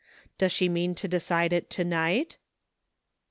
Does she mean to decide it to night?"